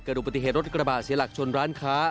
ดูปฏิเหตุรถกระบาดเสียหลักชนร้านค้า